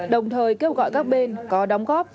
đồng thời kêu gọi các bên có đóng góp